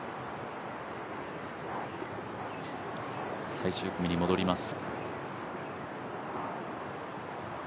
最終組に戻ります。